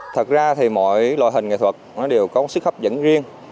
thật ra thì mọi loại hình nghệ thuật nó đều có sức hấp dẫn riêng